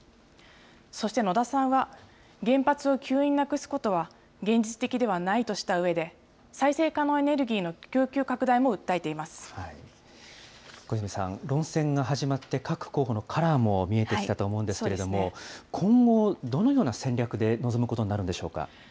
そして野田さんは、原発を急になくすことは現実的ではないとしたうえで、再生可能エネルギーの供小泉さん、論戦が始まって、各候補のカラーも見えてきたと思うんですけど、今後、どのような戦略で臨むことになるんでしょうか。